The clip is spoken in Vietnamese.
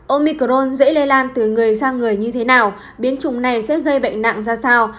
omicron dễ lây lan từ người sang người như thế nào biến trùng này sẽ gây bệnh nặng ra sao